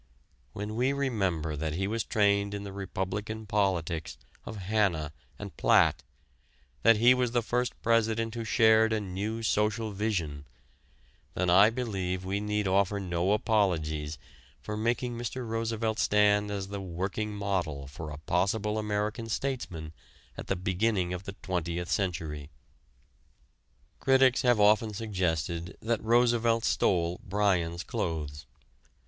When we remember that he was trained in the Republican politics of Hanna and Platt, that he was the first President who shared a new social vision, then I believe we need offer no apologies for making Mr. Roosevelt stand as the working model for a possible American statesman at the beginning of the Twentieth Century. Critics have often suggested that Roosevelt stole Bryan's clothes.